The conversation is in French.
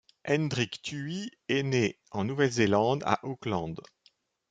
Hendrik Tui est né en Nouvelle-Zélande, à Auckland.